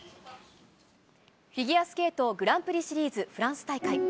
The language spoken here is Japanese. フィギュアスケートグランプリシリーズフランス大会。